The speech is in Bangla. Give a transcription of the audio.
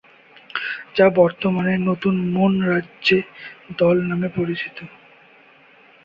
যা বর্তমানে নতুন মন রাজ্যে দল নামে পরিচিত।